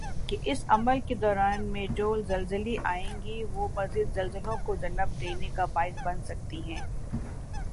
کہ اس عمل کی دوران میں جو زلزلی آئیں گی وہ مزید زلزلوں کو جنم دینی کا باعث بن سکتی ہیں